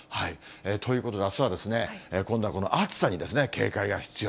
ということで、あすは今度はこの暑さに警戒が必要。